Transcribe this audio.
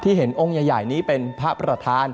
เห็นองค์ใหญ่นี้เป็นพระประธาน